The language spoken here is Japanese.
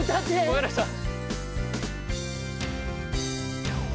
分かりました。